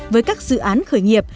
với các dự án khởi nghiệp